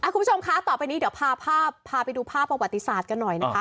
คุณผู้ชมคะต่อไปนี้เดี๋ยวพาไปดูภาพประวัติศาสตร์กันหน่อยนะคะ